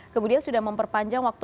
kemudian sudah memperpanjang waktu